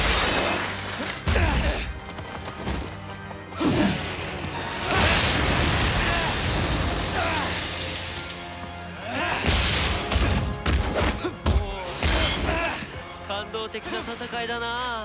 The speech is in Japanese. おお感動的な戦いだなあ。